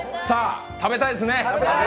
食べたいですね？